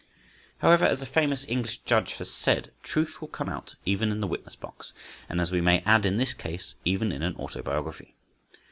However, as a famous English judge has said—"Truth will come out, even in the witness box," and, as we may add in this case, even in an autobiography.